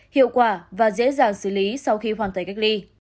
hiệu quả và dễ dàng xử lý sau khi hoàn thành cách ly